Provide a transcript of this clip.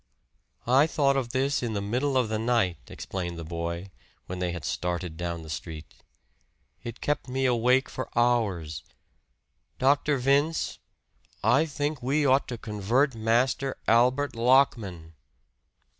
"I thought of this in the middle of the night," explained the boy, when they had started down the street. "It kept me awake for hours. Dr. Vince, I think we ought to convert Master Albert Lockman!"